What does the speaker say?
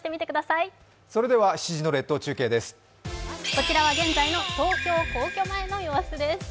こちらは現在の東京・皇居前の様子です。